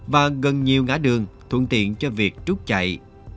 và gần nhiều ngã đường thuận tiện cho việc trút chạy